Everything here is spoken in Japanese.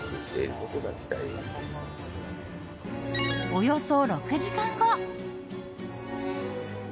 およそ６時間後。